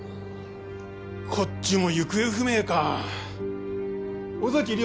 こっちも行方不明か尾崎莉